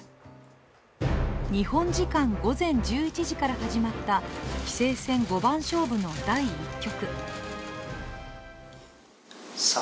日本時間午前１１時から始まった棋聖戦五番勝負の第１局。